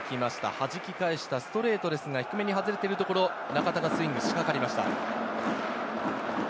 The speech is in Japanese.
はじき返したストレートですが、低めに外れているところ、中田がスイングしかかりました。